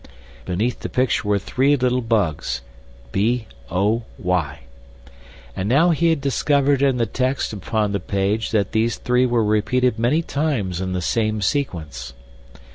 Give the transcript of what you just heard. Beneath the picture were three little bugs— BOY. And now he had discovered in the text upon the page that these three were repeated many times in the same sequence.